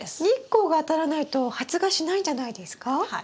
日光が当たらないと発芽しないんじゃないですか？